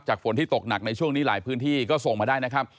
ฝนที่ตกหนักในช่วงนี้หลายพื้นที่ก็ส่งมาได้นะครับ